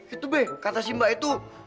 itu b kata si mbak itu